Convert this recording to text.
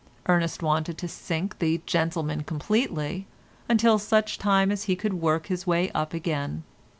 Ernest wanted to sink the gentleman completely, until such time as he could work his way up again.